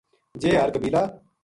جے ہر قبیلہ